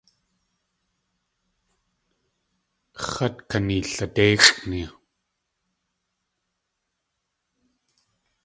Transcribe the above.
X̲at kaniladéixʼni...